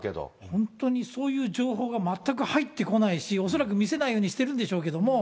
本当にそういう情報が全く入ってこないし、恐らく見せないようにしてるんでしょうけれども。